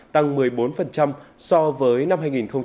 tăng một mươi bốn so với năm hai nghìn hai mươi hai